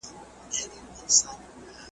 د ساړه ژمي په تیاره کي مرمه `